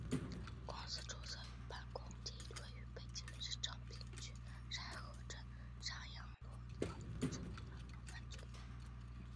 公司注册与办公地位于北京市昌平区沙河镇沙阳路老牛湾村北。